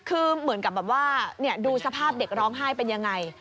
คือเหมือนกับแบบว่าดูสภาพเด็กร้องไห้เป็นยังไง